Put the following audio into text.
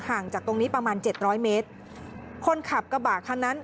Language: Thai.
จากตรงนี้ประมาณเจ็ดร้อยเมตรคนขับกระบะคันนั้น